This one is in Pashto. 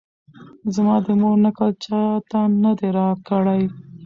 زما د مور نکل چا نه دی راته کړی